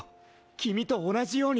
君と同じように。